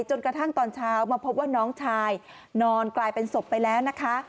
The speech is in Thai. จนกระทั่งตอนเช้ามาพบว่าน้องชายนอนกลายเป็นศพไปแล้วนะคะ